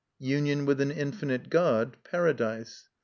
Union with an infinite God, paradise.